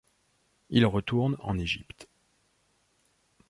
Il retourne en Égypte.